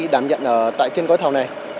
đảm nhận ở trên gói thầu